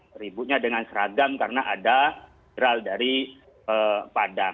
tidak boleh menghilangkan identitas